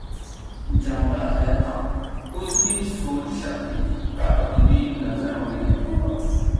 ਜਾਂਦਾ ਹੈ ਤਾਂ ਉਸ ਦੀ ਸੋਚ ਸ਼ਕਤੀ ਘੱਟ ਹੁੰਦੀ ਨਜ਼ਰ ਆਉਂਦੀ ਹੈ